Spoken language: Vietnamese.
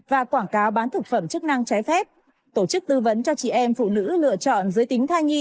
và quảng cáo bán thực phẩm chức năng trái phép tổ chức tư vấn cho chị em phụ nữ lựa chọn giới tính thai nhi